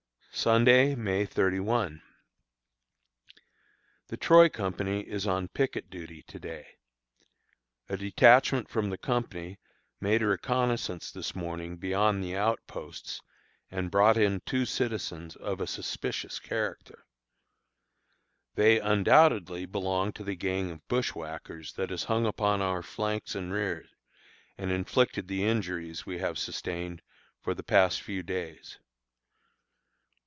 Sunday, May 31. The Troy company is on picket duty to day. A detachment from the company made a reconnoissance this morning beyond the outposts, and brought in two citizens of a suspicious character. They undoubtedly belong to the gang of bushwhackers that has hung upon our flanks and rear, and inflicted the injuries we have sustained for the past few days.